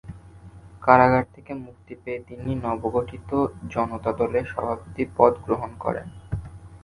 কারাগার থেকে মুক্তি পেয়ে তিনি নবগঠিত জনতা দলের সভাপতি পদ গ্রহণ করেন।